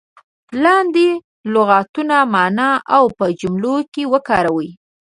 لاندې لغتونه معنا او په جملو کې وکاروئ.